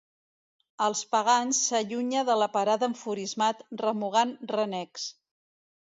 El Pagans s'allunya de la parada enfurismat, remugant renecs.